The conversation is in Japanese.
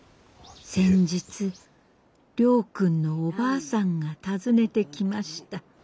先日亮君のおばあさんが訪ねてきました。